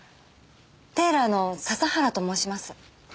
テーラーの笹原と申します。